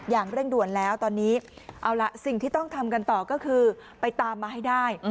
อย่างเร่งด่วนแล้วตอนนี้เอาล่ะสิ่งที่ต้องทำกันต่อก็คือไปตามมาให้ได้